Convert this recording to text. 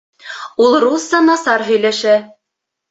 Ул русса насар һөйләшә.